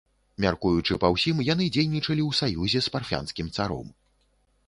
Мяркуючы па ўсім, яны дзейнічалі ў саюзе з парфянскім царом.